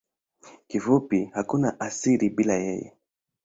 Kifupi hakuna asili bila yeye.